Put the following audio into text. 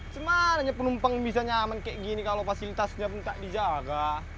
cuman aja penumpang bisa nyaman kayak gini kalo fasilitasnya pun tak dijaga